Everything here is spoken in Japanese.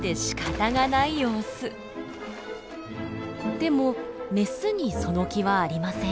でもメスにその気はありません。